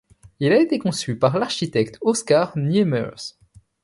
Il a été conçu par l'architecte Oscar Niemeyer.